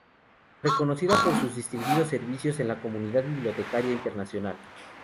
Reconocida por sus distinguidos servicios en la comunidad bibliotecaria internacional.